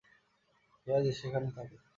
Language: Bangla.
জ্যাজ সেখানে থাকে।